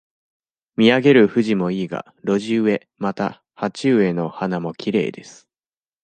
見上げるフジもいいが、路地植え、また、鉢植えの花もきれいです。